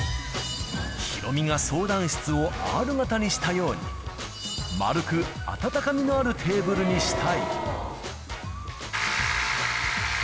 ヒロミが相談室をＲ型にしたように、丸く温かみのあるテーブルにしたい。